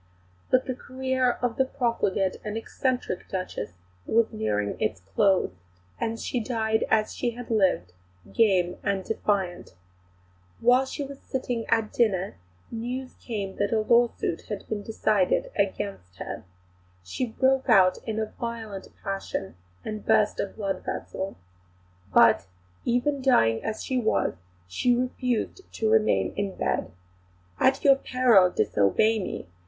But the career of the profligate and eccentric Duchess was nearing its close, and she died as she had lived, game and defiant. While she was sitting at dinner news came that a lawsuit had been decided against her. She broke out in a violent passion and burst a blood vessel. But, even dying as she was, she refused to remain in bed. "At your peril, disobey me!"